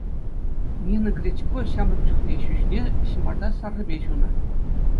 Нина Гречко ҫамрӑк чухне ҫӳҫне ҫӑмарта саррипе ҫунӑ.